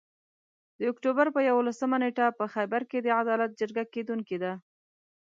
د اُکټوبر پر یوولسمه نیټه په خېبر کې د عدالت جرګه کیدونکي ده